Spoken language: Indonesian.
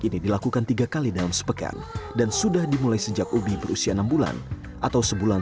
ini dilakukan tiga kali dalam sepekan dan sudah dimulai sejak ubi berusia enam bulan atau sebulan